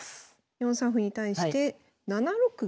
４三歩に対して７六銀。